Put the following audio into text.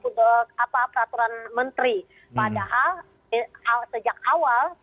padahal sejak awal